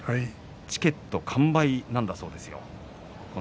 チケット完売なんだそうですよ。